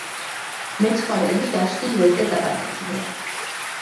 მეცხვარეები გაშლილ ველზე დაბანაკდნენ.